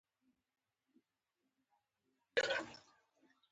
منظمه توګه لوستلې.